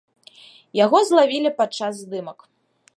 Яго злавілі падчас здымак.